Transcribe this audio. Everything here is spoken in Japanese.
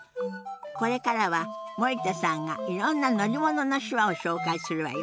これからは森田さんがいろんな乗り物の手話を紹介するわよ。